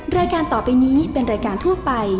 รายการต่อไปนี้เป็นรายการทั่วไป